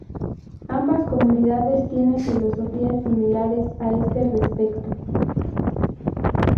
Ambas comunidades tienen filosofías similares a este respecto.